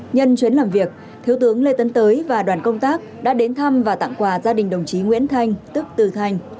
nhân chuyến làm việc thiếu tướng lê tấn tới và đoàn công tác đã đến thăm và tặng quà gia đình đồng chí nguyễn thanh tức từ thanh